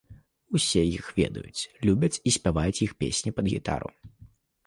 Усе іх ведаюць, любяць і спяваюць іх песні пад гітару.